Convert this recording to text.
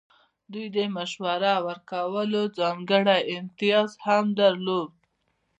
دوی د مشوره ورکولو ځانګړی امتیاز هم درلود.